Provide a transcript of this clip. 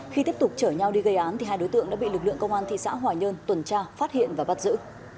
khi tiếp tục chở nhau đi gây án hai đối tượng đã bị lực lượng công an thị xã hòa nhơn tuần tra phát hiện và bắt giữ